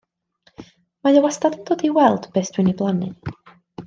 Mae o wastad yn dod i weld beth dw i'n plannu.